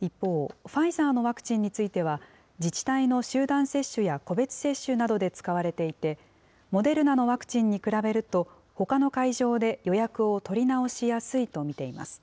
一方、ファイザーのワクチンについては、自治体の集団接種や個別接種などで使われていて、モデルナのワクチンに比べると、ほかの会場で予約を取り直しやすいと見ています。